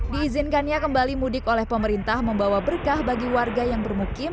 diizinkannya kembali mudik oleh pemerintah membawa berkah bagi warga yang bermukim